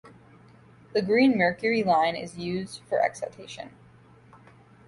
The green mercury line is used for excitation.